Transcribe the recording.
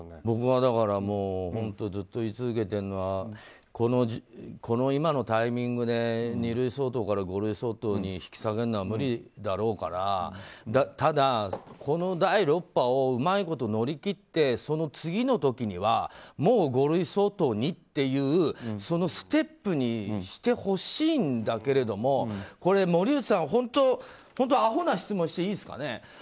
僕はだからずっと言い続けているのはこの今のタイミングで二類相当から五類相当に引き下げるのは無理だろうからただ、この第６波をうまいこと乗り切ってその次の時にはもう五類相当にっていうステップにしてほしいんだけども森内さん、本当あほな質問していいですかね。